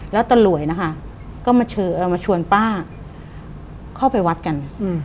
แล้วตะหลวยนะคะก็มาชวนป้าเข้าไปวัดกัน